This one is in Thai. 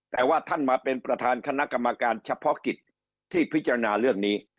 แต่ว่าท่านมาเป็นประธานคณะกรรมการเฉพาะกิจที่พิจารณาเรื่องนี้